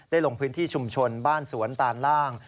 ลงพื้นที่ชุมชนบ้านสวนตานล่าง